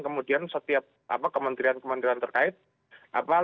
kemudian setiap kementerian kementerian terkait lembaga terkait juga dilakukan